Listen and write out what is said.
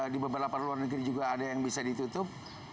di beberapa luar negeri juga ada yang bisa ditutup